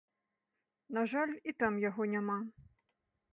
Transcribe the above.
На жаль, і там яго няма.